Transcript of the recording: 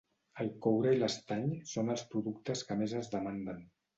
El coure i l'estany són els productes que més es demanden.